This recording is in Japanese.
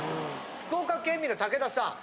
福岡県民の武田さん。